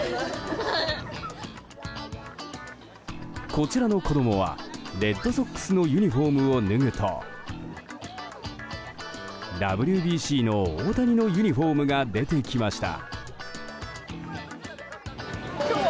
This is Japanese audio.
こちらの子供はレッドソックスのユニホームを脱ぐとＷＢＣの大谷のユニホームが出てきました。